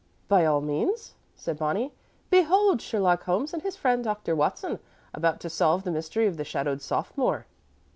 "By all means," said Bonnie. "Behold Sherlock Holmes and his friend Dr. Watson about to solve the Mystery of the Shadowed Sophomore."